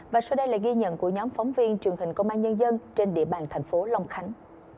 và sau đây là ghi nhận của nhóm phóng viên truyền hình công an nhân dân trên địa bàn thành phố long khánh